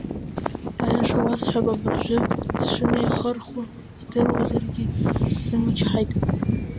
Аиаша уасҳәап, абыржәы сшынеихырхуа здыруазаргьы исзымычҳаит.